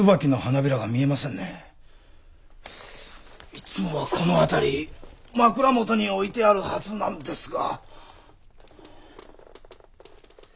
いつもはこの辺り枕元に置いてあるはずなんですが。